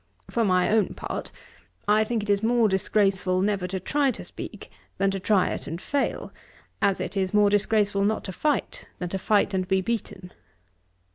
For my own part, I think it is more disgraceful never to try to speak, than to try it and fail; as it is more disgraceful not to fight, than to fight and be beaten.'